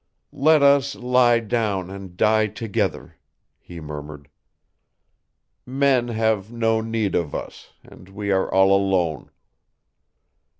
"Let us lie down and die together," he murmured. "Men have no need of us, and we are all alone."